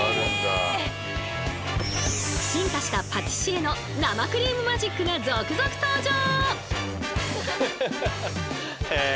進化したパティシエの生クリームマジックが続々登場！